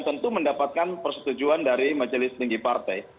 tentu mendapatkan persetujuan dari majelis tinggi partai